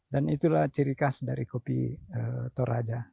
dan itulah ciri khas dari kopi toraja